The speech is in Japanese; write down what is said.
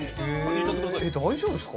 えっ大丈夫ですか？